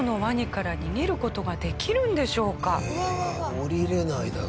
下りられないだろ。